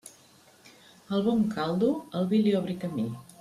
Al bon caldo, el vi li obri camí.